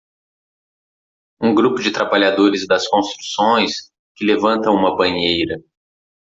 Um grupo de trabalhadores das construções que levantam uma banheira.